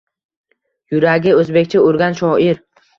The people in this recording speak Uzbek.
Yuragi o‘zbekcha urgan shoir